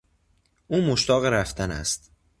او مشتاق رفتن است.